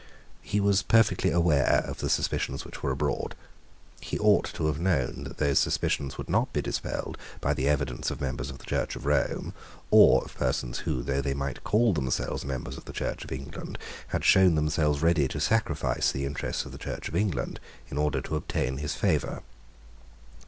He was perfectly aware of the suspicions which were abroad. He ought to have known that those suspicions would not be dispelled by the evidence of members of the Church of Rome, or of persons who, though they might call themselves members of the Church of England, had shown themselves ready to sacrifice the interests of the Church of England in order to obtain his favour.